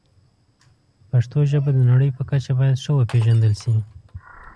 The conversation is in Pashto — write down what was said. پښتو ژبه د نړۍ په کچه باید ښه وپیژندل شي.